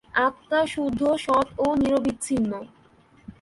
আত্মা শুদ্ধ, সৎ ও নিরবচ্ছিন্ন।